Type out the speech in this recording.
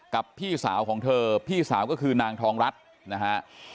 พี่สาวของเธอพี่สาวก็คือนางทองรัฐนะฮะ